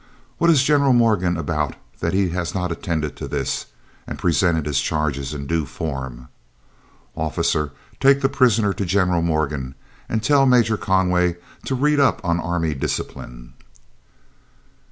"What is General Morgan about that he has not attended to this, and presented his charges in due form. "Officer, take the prisoner to General Morgan, and tell Major Conway to read up on army discipline."